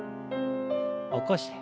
起こして。